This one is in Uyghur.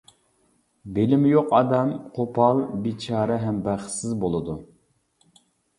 بىلىمى يوق ئادەم قوپال، بىچارە ھەم بەختسىز بولىدۇ.